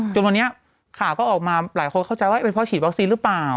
จนวันนี้ข่าวก็ออกมาหลายคนเข้าใจว่าเป็นพ่อฉีดวัคซีนหรือเปล่า